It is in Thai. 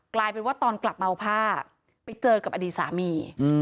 กลายเป็นว่าตอนกลับมาเอาผ้าไปเจอกับอดีตสามี